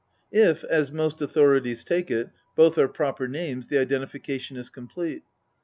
If, as most authorities take it, both are proper names, the identification is complete.